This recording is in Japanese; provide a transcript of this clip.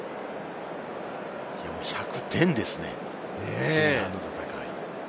１００点ですね、前半の戦い。